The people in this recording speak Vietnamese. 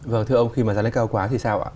vâng thưa ông khi mà giá lên cao quá thì sao ạ